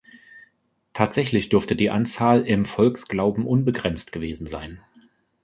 Tatsächlich dürfte die Anzahl im Volksglauben unbegrenzt gewesen sein.